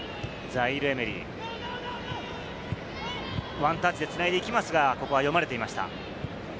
ワンタッチで繋いでいきますが、ここは読まれていました。